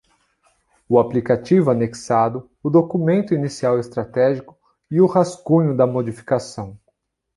O aplicativo, anexado, o Documento Inicial Estratégico e o rascunho da Modificação.